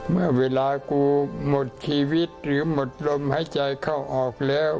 เมื่อเวลากูหมดชีวิตหรือหมดลมหายใจเข้าออกแล้ว